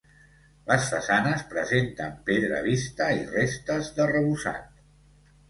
Les façanes presenten pedra vista i restes d'arrebossat.